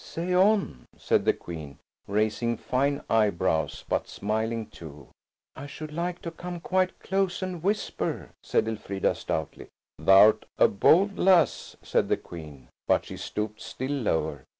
"Say on," said the Queen, raising fine eyebrows, but smiling too. "I should like to come quite close and whisper," said Elfrida stoutly. "Thou'rt a bold lass," said the Queen, but she stooped still lower.